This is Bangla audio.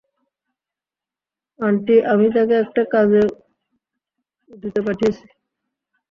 আন্টি, আমি তাকে একটা কাজে উটিতে পাঠিয়েছি।